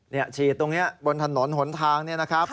นี่ฉีดตรงนี้บนถนนหนทางเนี่ยนะครับ